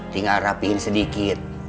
tinggal rapihin sedikit